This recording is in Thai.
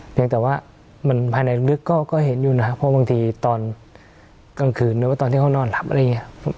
ยังแต่ว่ามันภายในลึกก็เห็นอยู่นะครับเพราะบางทีตอนกลางคืนหรือว่าตอนที่เขานอนหลับอะไรอย่างนี้